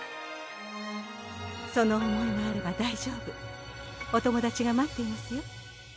その思いがあれば大丈夫お友達が待っていますよ